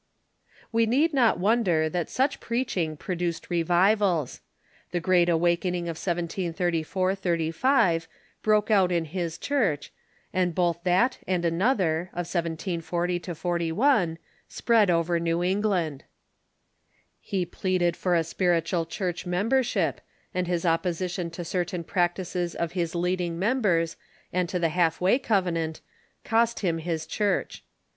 We need not wonder that such preaching produced revivals. The Great Awakening of 17 34 35 broke out in his church, and both that and another, of 1740 41, spread over New England. He pleaded for a spiritual church membership, and his oppo sition to certain practices of his leading members and to the Half way Covenant cost him his church.